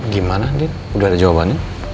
gimana udah ada jawabannya